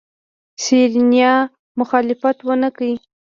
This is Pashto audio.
سېرېنا مخالفت ونکړ.